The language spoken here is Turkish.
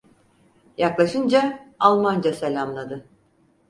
Yaklaşınca Almanca selamladı.